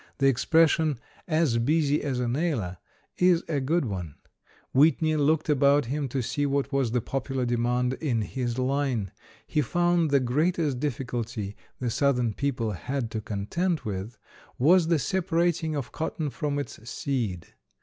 The expression, "as busy as a nailer," is a good one. Whitney looked about him to see what was the popular demand in his line. He found the greatest difficulty the southern people had to contend with was the separating of cotton from its seed.